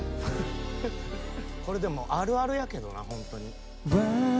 これでもあるあるやけどなほんとに。